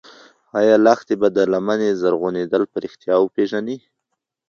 ایا لښتې به د لمنې زرغونېدل په رښتیا وپېژني؟